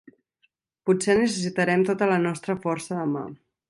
Potser necessitarem tota la nostra força demà.